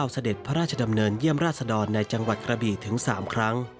เสด็จพระราชดำเนินเยี่ยมราชดรในจังหวัดกระบีถึง๓ครั้ง